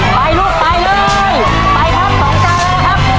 ไปลูกไปเลยไปครับสองจานแล้วนะครับผม